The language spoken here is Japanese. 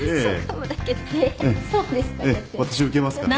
私受けますからね。